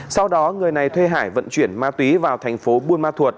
sau đó người này thuê hải vận chuyển ma túy vào thành phố buôn ma thuột